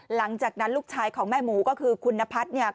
หลังจากนั้นลูกชายของแม่หมูก็คือคุณนพัฒน์เนี่ย